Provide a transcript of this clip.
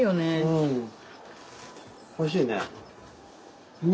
うんおいしいね。ね